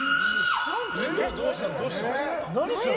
どうしたの？